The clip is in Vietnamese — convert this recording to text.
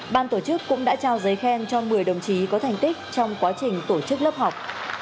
ban tổ chức cũng đã trao giấy khen cho một mươi đồng chí có thành tích trong quá trình tổ chức lớp học